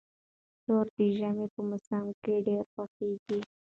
شوروا د ژمي په موسم کې ډیره خوښیږي.